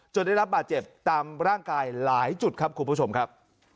ได้รับบาดเจ็บตามร่างกายหลายจุดครับคุณผู้ชมครับ